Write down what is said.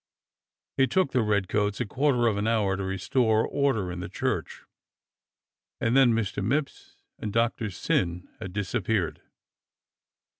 It took the redcoats a quarter of an hour to restore order in the church, and then Mister Mipps and Doctor Syn had disappeared.